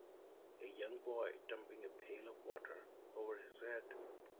A young boy dumping a pail of water over his head.